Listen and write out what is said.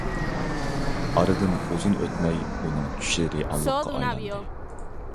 ئارىدىن ئۇزۇن ئۆتمەي، ئۇنىڭ چۈشى رىياللىققا ئايلاندى.